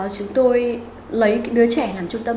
chúng tôi lấy đứa trẻ làm trung tâm